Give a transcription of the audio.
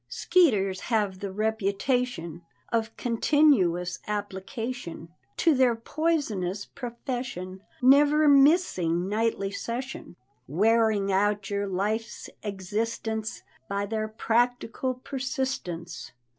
Skeeters have the reputation Of continuous application To their poisonous profession; Never missing nightly session, Wearing out your life's existence By their practical persistence.